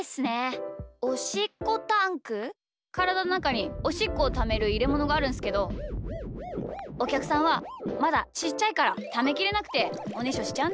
おしっこタンク？からだのなかにおしっこをためるいれものがあるんすけどおきゃくさんはまだちっちゃいからためきれなくておねしょしちゃうんですよね。